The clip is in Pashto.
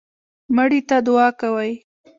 مړي ته دعا کوئ